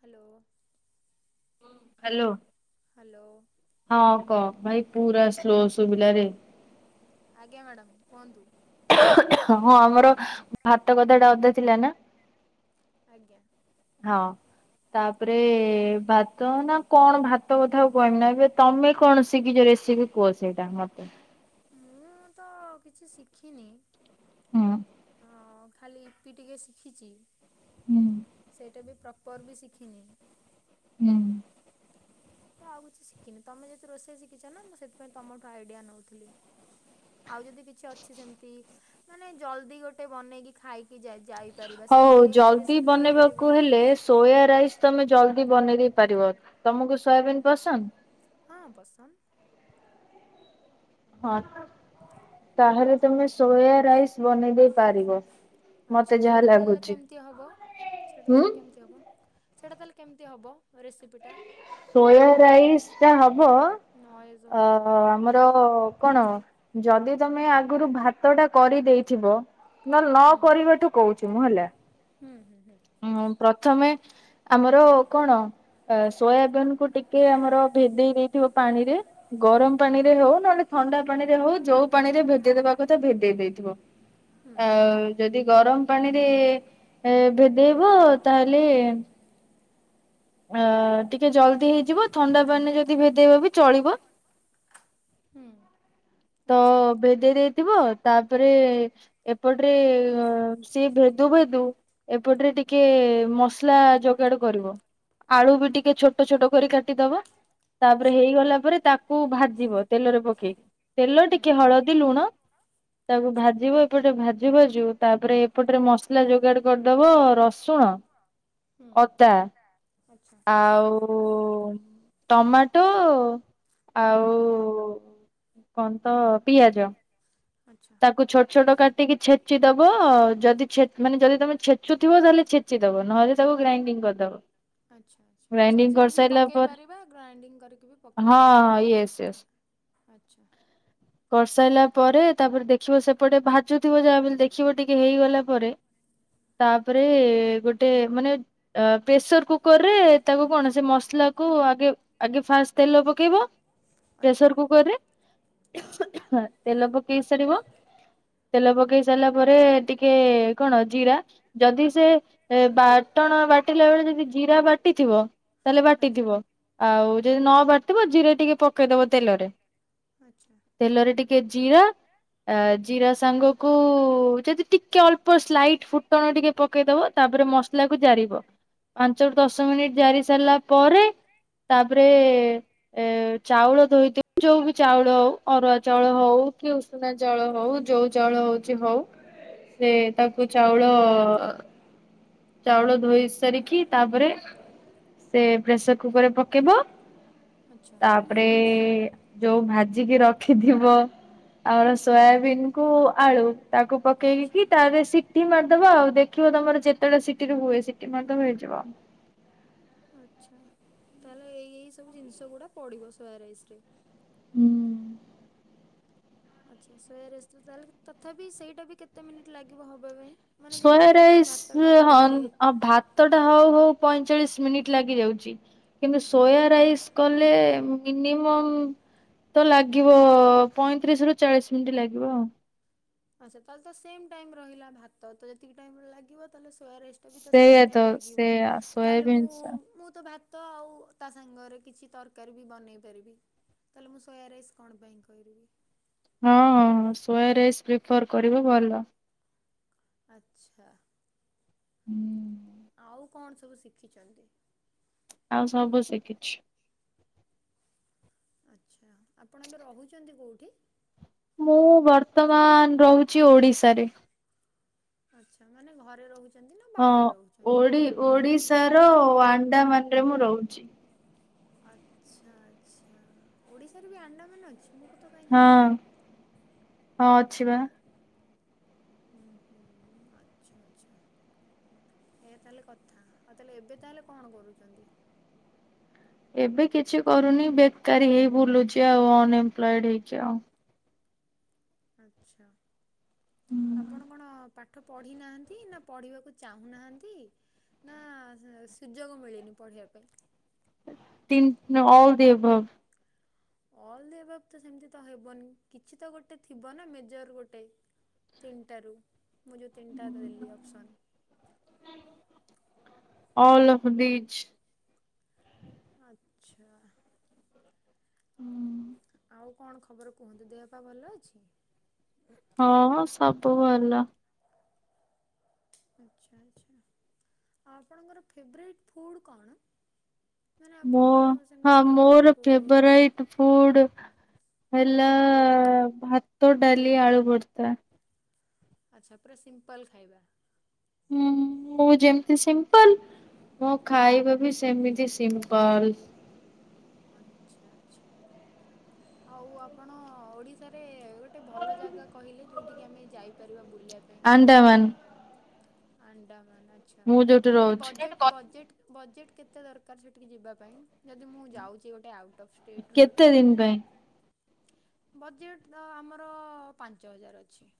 Hello. ହ hello hello. ହଁ କହ? ଭାଇ ପୁରା ସ୍ଲୋ ଶୁଭିଲାରେ। ଆଜ୍ଞା ମ୍ୟାଡ଼ାମ କୁହନ୍ତୁ? ହଁ ଆମର ଭାତ କଥାଟା ଅଧା ଥିଲା ନା! ଆଜ୍ଞା। ହଁ। ତାପରେ ଭାତ ନା କଣ ଭାତ କଥା ଆଉ କହମି ନାଇଁ ଏବେ ତମେ କଣ ଶିକିଚ ରେସିପି କୁଅ ସେଇଟା ମତେ ମୁଁ ତ କିଛି ଶିଖିନି ହଁ ଅ ଖାଲି ୟିପ ପି ଟିକେ ଶିଖିଛି ହୁଁ। ସେଇଟା ବି ପ୍ରପର୍ ବି ଶିଖିନି ହୁଁ। ତ ଆଉ କିଛି ଶିଖିନି ତମେ ଯେମିତି ରୋଷେଇ ଶିଖିଛ ନା ମୁଁ ସେଥିପାଇଁ ତମଠୁ ଆଇଡିଆ ନଉଥିଲି। ଆଉ ଯଦି କିଛି ଅଛି ସେମତି ମାନେ ଜଲଦି ଗୋଟେ ବନେଇକି ଖାଇକି ଯା ଯାଇ ପାରିବା ହଉ ହଉ ସେମିତିକା କିଛି ଜଲଦି ରେସିପି ବନେଇବାକୁ କହିପାରିବ। ହେଲେ ସୋୟା ରାଇସ୍ ତମେ ଜଲଦି ବନେଇ ଦେଇ ପାରିବ ତମକୁ ସୋୟାବିନ୍ ପସନ୍ଦ ହଁ ପସନ୍ଦ। ହଁ ତାହେଲେ ତମେ ସୋୟା ରାଇସ ବନେଇ ଦେଇ ପାରିବ। ମତେ ଆଚ୍ଛା ଯାହା ସେଇଟା ତାହେଲେ ଲାଗୁଛି କେମିତି ହବ ସେଇଟା ହୁଁ। ତାହେଲେ କେମିତି ହେବ? ସେଇଟା ତାହେଲେ କେମିତି ହବ ରେସିପିଟା? ସୋୟା ରାଇସ୍ ଟା ହବ ନଏଜ୍ ଅ ହେଉଛି। ଆମ ର କଣ ଯଦି ତମେ ଆଗରୁ ଭା ତଟା କରିଦେଇଥିବ ନହେଲେ ନ ହୁଁ କରିବାଠୁ କହୁଛି ମୁଁ ହେଲା। ହୁଁ ହୁଁ ହୁଁ ହଁ ପ୍ରଥମେ ଆମର କଣ ଅ ସୋୟା ବିନ୍ କୁ ଟିକେ ଆମର ଭେଦେଇ ଦେଇଥିବ ପାଣିରେ ଗରମ ପାଣିରେ ହେଉ ନହେଲେ ଥଣ୍ଡା ପାଣିରେ ହଉ ଯୋଉ ପାଣିରେ ଭେଦେଇଦବା କଥା ଭେଦେଇ ଦେଇଥିବ। ହୁଁ ଆଉ ଯଦି ଗରମ ପାଣିରେ ଏ ଭେଦେଇବ ତାହେଲେ ଅ ଟିକେ ଜଲଦି ହେଇଯିବ ଥଣ୍ଡା ପଣିରେ ଯଦି ଭେଦେଇବ ବି ଚଳିବ ହୁଁ ତ ଆଚ୍ଛା ଭେଦେଇ ଦେଇଥିବ ତାପରେ ଏପଟରେ ଅ ସିଏ ଭେଦୁ ଭେଦୁ ଏପଟରେ ଟିକେ ମସଲା ଯୋଗାଡ କରିବ ଆଳୁ ବି ଟିକେ ଛୋଟ ଛୋଟ କରି କାଟିଦବା ତାପରେ ଆଚ୍ଛା। ହେଇଗଲା ପରେ ତାକୁ ଭାଜିବ ତେଲରେ ପକେଇକି ତେଲ ହୁଁ। ଟିକେ ହଳଦୀ ଲୁଣ ତାକୁ ଆଚ୍ଛା। ଭାଜିବ ଏପଟେ ଭା ଯିବ ଯୋଉ ତାପରେ ଏପଟରେ ମସଲା ଯୋଗାଡ଼ କରିଦବ ରସୁଣ ହୁଁ ଅଦା ଆଉ ଟମାଟୋ ଆଉ କଣ ତ ପିଆଜ ଆଚ୍ଛା। ତାକୁ ଛୋଟ ଛୋଟ କାଟିକି ଛେଚି ଦବ ଯଦି ଛେ ମାନେ ଯଦି ତମେ ଛେଚୁଥିବ ତାହେଲେ ଛେ ଚି ଦବ ନହେଲେ ତାକୁ ଗ୍ରାଇଣ୍ଡିଙ୍ଗ କରିଦବ ଆଚ୍ଛା ଆଚ୍ଛା ଗ୍ରାଇଣ୍ଡିଙ୍ଗ ଛେଚିକି ବି କରିସାରିଲା ପକେଇ ପରେ ପାରିବା ଗ୍ରାଇଣ୍ଡିଙ୍ଗ କରିକି ବି ହଁ ପକେଇ ହେବ। ହଁ ୟେଶ୍ ୟେଶ ଆଚ୍ଛା। କରସାଇଲା ପରେ ତାପରେ ଦେଖିବ ସେପଟେ ଭାଜୁଥିବ ଯାହାବି ହେଲେ ଦେଖିବ ଟିକେ ହେଇଗଲା ପରେ ତାପରେ ଗୋଟେ ମାନେ ଅ ପ୍ରେସର କୁକରରେ ତାକୁ କଣ ସେ ମସଲାକୁ ଆଗେ ଆଗେ ଫାଷ୍ଟ ତେଲ ପକେଇବ ଆଚ୍ଛା ପ୍ରେସର କୁକରରେ ଆଚ୍ଛା। ତେଲ ପକେଇ ସାରିବ ତେଲ ପକେଇ ସାରିଲା ପରେ ଟିକେ କଣ ଜିରା ଯଦି ସେ ଏ ବାଟଣ ବାଟିଲା ବେଳେ ଯଦି ଜିରା ବାଟିଥିବ ତାହେଲେ ଆଚ୍ଛା ବାଟିଥିବ, ଆଉ ଯଦି ନ ବାଟିଥିବ ଜିରେ ଟିକେ ପକେଇଦବ ତେଲରେ। ଆଚ୍ଛା। ତେଲରେ ଟିକେ ଜିରା। ଆ ଜିରା ସାଙ୍ଗ କୁ ଯଦି ଟିକେ ଅଳ୍ପ ସ୍ଲାଇଟ ଫୁଟଣ ଟିକେ ପକେଇଦବ ତାପରେ ମସଲା କୁ ଜାରିବ। ପାଞ୍ଚରୁୁ ଦଶ ମିନିଟ ଜାରି ସାରିଲା ପରେ ତାପରେ ଏ ଚାଉଳ ଧୋଇଥିବ। ଯୋଉ ବି ଚାଉଳ ହଉ। ଅରୁଆ ଚାଉଳ ହଉ କି ଉଷୁନା ଚାଉଳ ହଉ ଯଉ ଚାଉଳ ହଉଛି ହଉ। ସେ ତାକୁ ଆଚ୍ଛା ଚାଉଳ ଚାଉଳ ଧୋଇ ସାରିକି ତାପରେ ସେ ପ୍ରେସର କୁକରରେ ପକେଇ ଦବ। ଆଚ୍ଛା ତାପରେ ଯୋଉ ଭାଜିିକି ରଖି ରଖିଥିବ ଆମର ସୋୟାବିିନ କୁ ଆଳୁ ତାକୁ ଆଚ୍ଛା ପକେଇକି ତାପରେ ସି ସିଟି ମାରିଦବା ଆଉ। ଦେଖିବ ତମର ଯେତେଟା ସିଟି ରେ ହୁଏ ସିଟି ମାରଦବ ହେଇଯିବ। ଆଉ ଆଚ୍ଛା। ତାହେଲେ ଏଇ ଏଇ ସବୁ ଜିନିଷ ଗୁଡା ପଡିବ ସୋୟାରାଇସ ରେ। ହୁମ୍ ଆଚ୍ଛା। ସୋୟାରାଇସ ରେ ତାହେଲେ ତଥାପି ସେଇଟା ବି କେତେ ମିନିଟ୍ ଲାଗିବ ହେବା ପାଇଁ। ମାନେ ସୋୟା ଯେମିତି ଆପଣ ରାଇସ ଭାତଟା ହଁ କହିଲେ ଭାତ ଭାତଟା ହଉ ହଉ ପଇଁଚାଳିଶ ମିନିଟ୍ ଲାଗିଯାଉଛି। କିନ୍ତୁ ଆଚ୍ଛା ସୋୟା ରାଇସ୍ କଲେ ମିନିମମ୍ ତ ଲାଗିବ। ପଇଁତିରିଶ ରୁ ଚାଳିଶ ମିନିଟ୍ ଲାଗିବ ଆଉ। ଆଛା। ତାହେଲେ ତ ସେମ ଟାଇମ ରହିଲା। ଭାତ ତ ଏତିକି ଟାଇମରେ ଲାଗିବ ତାହେଲେ ସୋୟା ରାଇସ୍ ତାକୁ ତ ସେଇଆ ସେତିକି ଟାଇମ ଲାଗିବ। ସେଇଆ ତାହେଲେ ମୁଁ ସୋୟାବିନ୍ସ ମୁଁ ତ ଭାତ ତ ଆଉ ତା ସାଙ୍ଗରେ କିଛି ତରକାରୀ ବି ବନେଇ ପାରିବି। ତାହେଲେ ମୁଁ ସୋୟ ରାଇସ୍ କଣ ପାଇଁ କରିବି। ହଁ ସୋୟ ରାଇସ୍ ପ୍ରିଫର୍ କରିବ ଭଲ। ଆଚ୍ଛା। ହୁ ଆଉ କଣ ସବୁ ଶିଖିଛନ୍ତି? ଆଉ ସବୁ ଶିଖିଛି। ଆଚ୍ଛା। ଆପଣ ଏବେ ରହୁଛନ୍ତି କେଉଁଠି? ମୁଁ ବର୍ତ୍ତମାନ ରହୁଛି ଓଡିଶାରେ। ଆଚ୍ଛା। ମାନେ ଘରେ ରହୁଛି। ହଁ ଓଡି ଓଡ଼ିଶାର ଆଣ୍ଡାମାନରେ ମୁଁ ରହୁଛି। ଆଚ୍ଛା। ଆଚ୍ଛା। ଓଡ଼ିଶାରେ ବି ଆଣ୍ଡାମାନ ଅଛି। ମୁଁ କ ତ କାହିଁ ହଁ ଜାଣିନି। ହଁ ଅଛି ବା। ହୁଁ ହୁଁ ଆଚ୍ଛା। ଆଛା। ଏୟା ତାହେଲେ କଥା। ଆଉ ତାହେଲେ ଏବେ ତାହେଲେ କଣ କରୁଛନ୍ତି। ଏବେ କିଛି କରୁନି ବେକାରୀ ହେଇ ବୁଲୁଛି ଆଉ ଅନଏମ୍ପ୍ଲଏଡ ହେଇକି ଆଉ। ଆଛା। ଆପଣ କଣ ପାଠ ପାଠ ପଢି ନାହାନ୍ତି ନା ପଢିବାକୁ ଚାହୁଁନାହାନ୍ତି। ନା ଶୁ ସୁଯୋଗ ମିଳିନି ପଢିବା ପାଇଁ। ତିନ ଅଲ ଦି ଏଭଵ। ଅଲ୍ ଦି ଏଭବ ତ ସେମତି ତ ହେବନି। କିଛି ତ ଗୋଟେ ଥିବ ନା ମେଜର ଗୋଟେ। ତିନିଟା ରୁ। ମୁଁ ଯୋଉ ତିନିଟା ଦେଲି ଅପସନ୍। All of beach. ଆଚ୍ଛା। ହୁଁ। ଆଉ କଣ ଖବର କୁହନ୍ତୁ। ଦେହ ପା ଭଲ ଅଛି। ହଁ ସବୁ ଭଲ। ଆଚ୍ଛା ଆଚ୍ଛା ଆପଣଙ୍କର ଫେବ୍ରେଟ୍ ଫୁଡ଼୍ କଣ? ମାନେ ମୋ ଆପଣଙ୍କର ହଁ ସେମତି ମୋର ଫେବ୍ରେଟ୍ ଫୁଡ଼ ଫେବରାଇଟ ଫୁଡ ହେଲା ଭାତ, ଡାଲି, ଆଳୁଭର୍ତ୍ତା। ଆଚ୍ଛା ପୁରା ସିମ୍ପଲ୍ ଖାଇବା। ହୁଁ ମୁଁ ଯେମତି ସିମ୍ପଲ୍ ମୋ ଖାଇବା ବି ସେମିତି ସିମ୍ପଲ୍ ଆଚ୍ଛା ଆଚ୍ଛା। ଆଉ ଆପଣ ଓଡ଼ିଶାରେ ଗୋଟେ ଭଲ ଜାଗା କହିଲେ ଯୋଉଠିକି ଆମେ ଯାଇପାରିବା ବୁଲିଆପାଇଁ। ଆଣ୍ଡାମାନ। ଆଣ୍ଡାମାନ ଆଚ୍ଛା ମୁଁ ଯୋଉଠି ତାହେଲେ ହେଠି ରହୁଛି ବଜେଟ ବଜେଟ ବଜେଟ କେତେ ଦରକାର ସେଠିକି ଯିବା ପାଇଁ ଯଦି ମୁଁ ଯାଉଚି ଗୋଟେ ଆଉଟ୍ ଅଫ୍ ଷ୍ଟେଟ୍ ରୁ କେତେଦିନ ପାଇଁ? ବଜେଟ ତ ଆମର ପାଞ୍ଚହଜାର ଅଛି।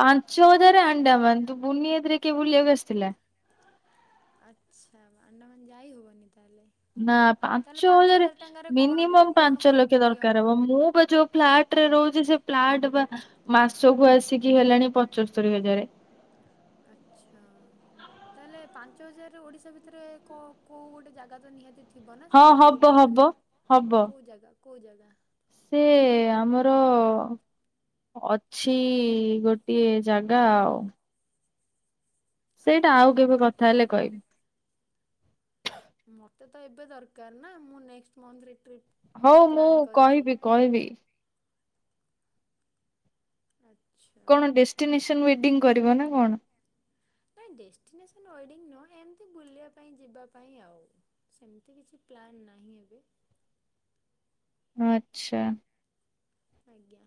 ପାଞ୍ଚହଜାରେ ଆଣ୍ଡାମାନ ତୁ ବୁନିୟାଦିରେ କିଏ ବୁଲିଆକୁ ଆସିଥିଲା। ଆଚ୍ଛା ଆଣ୍ଡମାନ ଯାଇ ହବନି ତାହେଲେ ନା ତାହେଲେ ପାଞ୍ଚ ପାଞ୍ଚହଜାର ହଜାର ଟଙ୍କାରେ କଣ ବୁଲ ମିନିମମ୍ କଣ କଣ ପାଞ୍ଚଲକ୍ଷ ବୁଲି ଦରକାର ହବ ମୁଁ ବା ଯୋଉ ଫ୍ଲା ଟରେ ରହୁଚି ସେ ପ୍ଲାଟ ବା ମାସକୁ ଆସିକି ହେଲାଣି ପଚସ୍ତରୀହଜାର। ଆଚ୍ଛା। ତାହେଲେ ପାଞ୍ଚହଜାରରେ ଓଡିଶା ଭିତରେ କୋଉ କୋଉ ଗୋଟେ ଜାଗା ତ ନିହାତି ଥିବ ନା ହଁ ସେମତି ହବ ବୁଲିହବ ହବ ଯୋଉଟା ହବ। କୋଉ ଜାଗା କୋଉ ଜାଗା? ସେ ଆମର ଅଛି ଗୋଟିଏ ଜାଗା ଆଉ। ସେଇଟା ଆଚ୍ଛା। ଆଉ ଆଚ୍ଛା। କେବେ କଥା ହେଲେ କହିବି। ମତେ ତ ଏବେ ଦରକାର ନା ମୁଁ ନେକଷ୍ଟ ମନ୍ଥରେ ଟ୍ରିପ୍ ହଉ ମୁଁ ପ୍ଲାନ୍ କରିଛି। କହିବି କହିବି। ଆଚ୍ଛା। କଣ ଡେଷ୍ଟିନେସନ ୱେଡିଙ୍ଗ କରିବ ନା କଣ? ନାଇଁ ଡେଷ୍ଟିନେସନ ୱେଡିଙ୍ଗ ନୁହଁ ଏମତି ବୁଲିବା ପାଇଁ ଯିବା ପାଇଁ ଆଉ। ସେମତି କିଛି ପ୍ଲାନ ନାହିଁ ଏବେ। ଆଚ୍ଛା। ଆଜ୍ଞା।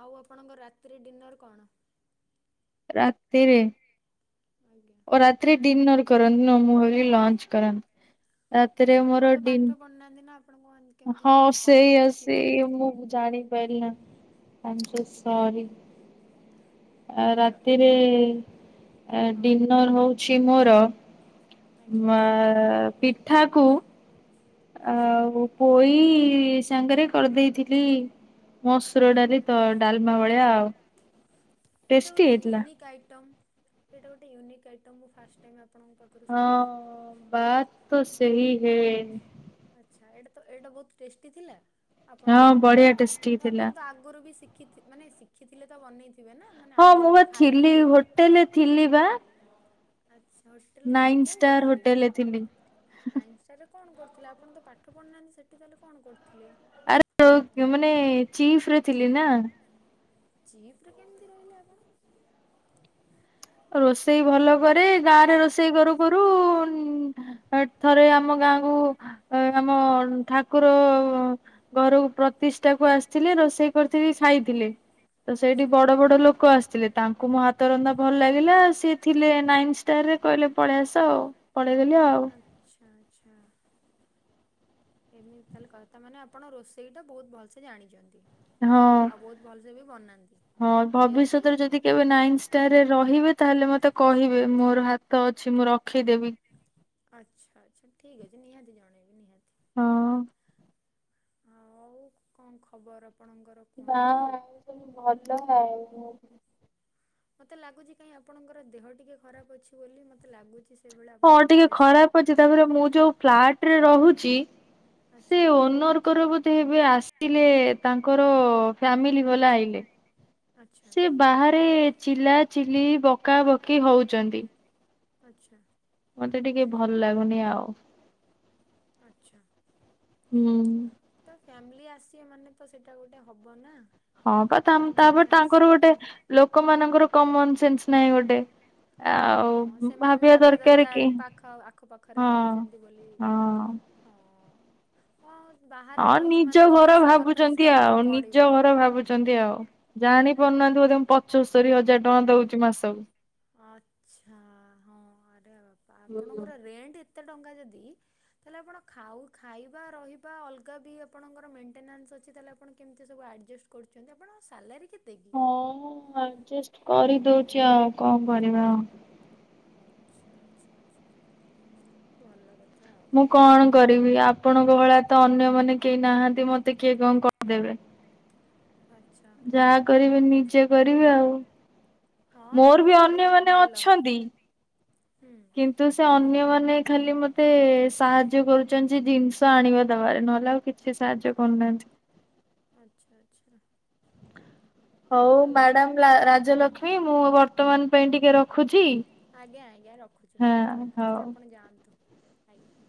ଆଉ ଆପଣଙ୍କ ରାତିରେ ଡିନର୍ କଣ? ରାତିରେ ଆଜ୍ଞା। ଓ ରାତିରେ ଡିନର୍ କରନ୍ତି ନୁହଁ ମୁଁ ଭାବିଲି ଲଞ୍ଚ କରନ୍ତ ଆଚ୍ଛା ଆପଣ ତ ପାଠ ପଢ଼ୁନାହାଁନ୍ତି ନା ଆପଣ କୁହନ୍ତି ହଁ ସେଇଆ ସେଇଆ ମୁଁ ଜାଣି ୱେଲନ ଆଇ ଆମ୍ ସୋ ସରି। ଆ ଓକେ ଓକେ ରାତିରେ ହଁ। ଡିନର୍ ହଉଛି ମୋର ଆଜ୍ଞା ମା ଆ ପିଠାକୁ ଆଚ୍ଛା। ଆଉ ପୋଇ ସାଙ୍ଗେରେ କରିଦେଇଥିଲି ମସୁରଡାଲି ତ ଡାଲମା ଭଳିଆ ଆଉ। ଏଇଟା ଟେଷ୍ଟି ଗୋଟେ ହେଇଥିଲା ୟୁନିକ୍ ଆଇଟମ୍ ଏଇଟା ଗୋଟେ ୟୁନିକ୍ ଆଇଟମ୍ ମୁଁ ଫାଷ୍ଟ ଟାଇମ ଆପଣଙ୍କ ପାଖ ହଁ ବାତ୍ ତୋ ସେହି ହେ ଆଚ୍ଛା ଏଇଟା ତ ଏଇଟା ବହୁତ ଟେଷ୍ଟି ଥିଲା? ଆପଣ ହଁ ଯୋଉ ବଢିଆ ବନେଇଥିଲେ ଟେଷ୍ଟି ତ ଥିଲା ଆପଣ ତ ଆଗରୁ ବି ଶିଖିଥି ମାନେ ଶିଖିଥିଲେ ତ ବନେଇଥିବେ ନା। ମାନେ ହଁ ଆଗରୁ ମୁଁ ବି ବା ଥିଲି ଖାଇଥିବେ। ହୋଟେଲରେ ଥିଲି ବା। ଆଚ୍ଛା ହୋଟେଲରେ ଥିଲେ ନାଇନ କୋଉ ଷ୍ଟାର ହୋଟେଲରେ? ଥିଲି ନାଇନ ଷ୍ଟାରରେ କଣ କରୁଥିଲେ ଆପଣ ତ ପାଠ ପଢିନାହାଁନ୍ତି ସେଠି ତାହେଲେ କଣ କରୁଥିଲେ? ମାନେ ଚିଫରେ ଥିଲି ନା। ଚିପ ରେ କେମିତି ରହିଲେ ଆପଣ? ରୋଷେଇ ଭଲ କରେ ଗାଁ ରେ ରୋଷେଇ କରୁ କରୁ ଥରେ ଆମ ଗାଁକୁ ଆମ ଠାକୁର ଘରକୁ ପ୍ରତିଷ୍ଠା କୁ ଆସିଥିଲେ ରୋଷେଇ କରିିଥିଲି ଖାଇଥିଲେ। ତ ସେଇଠି ଆଚ୍ଛା। ବଡ ବଡ ଲୋକ ଆସିଥିଲେ ତାଙ୍କୁ ମୁଁ ହାତ ରନ୍ଧା ପ ଭଲ ଲାଗିଲା ସିଏ ଥିଲେ ନାଇନ୍ ଷ୍ଟାରରେ କହିଲେ ପଳେଇ ଆସ ଆଉ ପଳେଇଗଲି ଆଉ। ଆଛା ଆଚ୍ଛା। ଏମିତି ତାହେଲେ କଥ ମାନେ ଆପଣ ରୋଷେଇ ଟା ବହୁତ ଭଲସେ ଜାଣିଛନ୍ତି? ହଁ ଆଉ ବହୁତୁ ଭଲସେ ବି ବନାନ୍ତି ହଁ ଏଆାଟି? ଭବିଷ୍ୟତରେ ଯଦି କେବେ ନାଇନ୍ ଷ୍ଟାରରେ ରହିବେ ତାହେଲେ ମତେ କହିବେ ମୋର ହାତ ଅଛି ମୁଁ ରଖେଇଦେବି। ଆଚ୍ଛା ଆଚ୍ଛା ଠିକ ଅଛି ନିହାତି ଜଣେଇବି ନିହାତି। ହଁ। ଆ ଆଉ କଣ ଖବର ଆପଣଙ୍କର? ନା କୁହନ୍ତୁ? ଆଉ ତ ମୁଁ ଭଲ ନାଁହିଁ ମତେ ଲାଗୁଛି କାହିଁ ଆପଣଙ୍କର ଦେହ ଟିକେ ଖରାପ ଅଛି ବୋଲି ମତେ ଲାଗୁଚି। ହଁ ଟିକେ ଖରାପ୍ ଅଛି ତାପରେ ମୁଁ ଯୋଉ ଫ୍ଲାଟରେ ରହୁଚି ସେ ଆଚ୍ଛା ଓନର ତାକଙ୍କର ବୋଧେ ହେବେ ଆସିଲେ ତାଙ୍କର ଫ୍ୟାମିଲି ବଲା ଆଇଲେ। ଆଚ୍ଛା ସେ ବାହାରେ ଚିଲା ଚିଲି ବକାାବକି ହଉଛନ୍ତି। ଆଛା। ମତେ ଟିକେ ଭଲ ଲାଗୁନି ଆଉ। ଆଚ୍ଛା। ହୁଁ ତ ଫ୍ୟାମିଲି ଆସିବେ ମାନେ ତ ସେଟା ଗୋଟେ ହବ ନା। ହଁ ବା ଗୋଟେ ତାପରେ ମୋମେଣ୍ଟସ୍ ତାଙ୍କର ଗୋଟେ ଲୋକ ମାନଙ୍କର କମନ୍ ସେନ୍ସ ନାହିଁ ଗୋଟେ। ହଁ ସେମାନେ ବି ଭାବିବା ଦରକାର ପାଖ ଆଖ ପାାଖରେ ହଁ ରହୁଛନ୍ତି ବୋଲି। ହଁ। ହଁ। ହଁ ବାହାରେ ହଁ ରହୁଛେ ମାନେ ନିଜ ଟିକେ ଘର ସାକ୍ରିଫାଇସ୍ ଭାବୁଚନ୍ତି କରିବାକୁ ଆଉ ପଡ଼ିବ। ନିଜ ଘର ଭାବୁଚନ୍ତି ଆଉ। ଜାଣି ହଁ। ପାରୁନାହାନ୍ତି ବୋଧେ ମୁଁ ପଞ୍ଚସ୍ତରୀ ହଜାର ଟଙ୍କା ଦଉଛି ମାସକୁ। ଆଚ୍ଛା ହଁ ଆରେ ବାପା ହୁଁ। ଆପଣଙ୍କର ରେଣ୍ଟ ଏତେ ଟଙ୍କା ଯଦି ତାଲେ ଆପଣ ଖାଉ ଖାଇବା ରହିବା ଅଲଗା ବି ଆପଣଙ୍କର ମେଣ୍ଟେନାନ୍ସ ଅଛି ତାଲେ ଆପଣ କେମିତି ସବୁ ଆଯେ କରୁଛନ୍ତି ଆପଣଙ୍କ ସାଲାରୀ କେତେ? କି? ହଁ ଅଜେଷ୍ଟ କରିଦଉଛି ଆଉ କଣ କରିବା ଆଉ। ଆଚ୍ଛା ଆଚ୍ଛା ଆଚ୍ଛା ଭଲ କଥା ଆଉ। ମୁଁ କଣ କରିବି ଆପଣଙ୍କ ଭଳି ତ ଅନ୍ୟ ମାନେ କେହି ନାହାନ୍ତି ମତେ କିଏ କଣ କରିଦେବେ। ଆଛା। ଯାହା କରିବି ନିଜେ କରିବି ଆଉ। ହଁ ମୋର ବି ନିଜେ କରିବା ଟା ଅନ୍ୟମାନେ ଭଲ ହୁଁ। ତୁ ସେ ଅନ୍ୟମାନେ ଖାଲି ମତେ ସାହାଯ୍ୟ କରୁଛନ୍ତି ଯେ ଜିନିଷ ଆଣିବା ଦବାରେ ନହେଲେ ଆଉ ସେ ସାହାଯ୍ୟ କରୁନାହାନ୍ତି। ଆଚ୍ଛା ଆଚ୍ଛା। ହଉ ଭଲ ମ୍ୟାଡାମ ରାଜଲକ୍ଷ୍ମୀ ମୁଁ ବର୍ତ୍ତମାନ ପାଇଁ ଟିକେ ରଖୁଛି? ଆଜ୍ଞା ଆଜ୍ଞା ରଖୁଛି ହଁ ମୁଁ ବି ରଖୁଛି ହଉ। ଆପଣ ଯାଆନ୍ତୁ। ଆଜ୍ଞା।